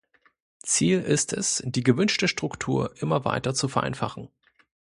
Ziel ist es, die gewünschte Struktur immer weiter zu vereinfachen.